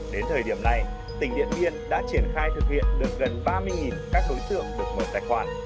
đến thời điểm này tỉnh điện biên đã triển khai thực hiện được gần ba mươi các đối tượng được mở tài khoản